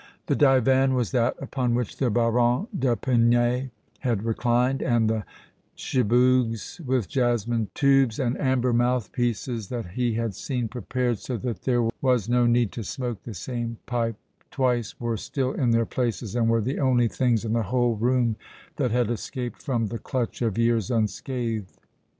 The divan was that upon which the Baron d' Epinay had reclined, and the chibougues, with jasmine tubes and amber mouthpieces, that he had seen, prepared so that there was no need to smoke the same pipe twice, were still in their places and were the only things in the whole room that had escaped from the clutch of years unscathed.